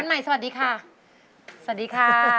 ใหม่สวัสดีค่ะสวัสดีค่ะ